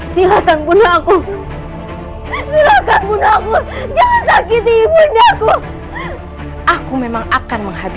sampai jumpa di video selanjutnya